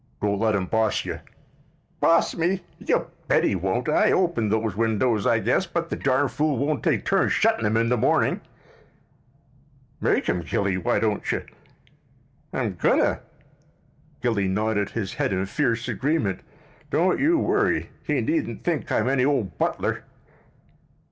"Don't let him boss you." "Boss me? You bet he won't. I open those windows, I guess, but the darn fool won't take turns shuttin' 'em in the morning." "Make him, Gilly, why don't you?" "I'm going to." Gilly nodded his head in fierce agreement. "Don't you worry. He needn't think I'm any ole butler."